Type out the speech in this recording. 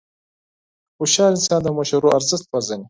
هوښیار انسان د مشورو ارزښت پېژني.